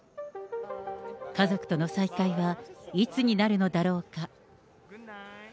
家族との再会はいつになるのだろうか。